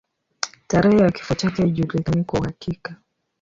Tarehe ya kifo chake haijulikani kwa uhakika.